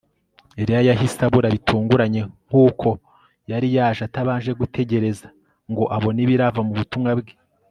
Eliya yahise abura bitunguranye nkuko yari yaje atabanje gutegereza ngo abone ibirava mu butumwa bwe